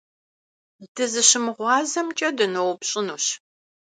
ДызыщымыгъуазэмкӀэ дыноупщӀынущ.